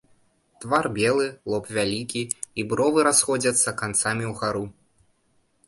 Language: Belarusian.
Твар белы, лоб вялікі, і бровы расходзяцца канцамі ўгару.